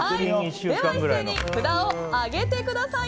では一斉に札を上げてください。